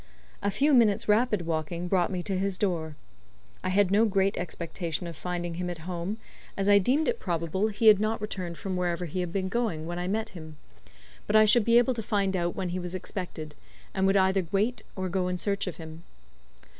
A few minutes' rapid walking brought me to his door. I had no great expectation of finding him at home, as I deemed it probable he had not returned from wherever he had been going when I met him; but I should be able to find out when he was expected, and would either wait or go in search of him.